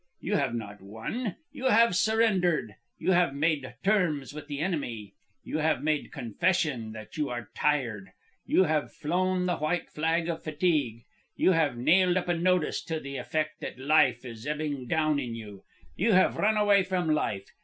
You have not won. You have surrendered. You have made terms with the enemy. You have made confession that you are tired. You have flown the white flag of fatigue. You have nailed up a notice to the effect that life is ebbing down in you. You have run away from life.